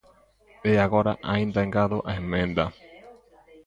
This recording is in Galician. E agora aínda engado a emenda.